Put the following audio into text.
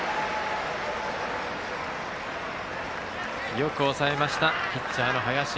よく抑えました、ピッチャーの林。